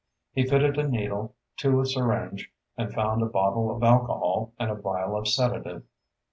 He fitted a needle to a syringe and found a bottle of alcohol and a vial of sedative.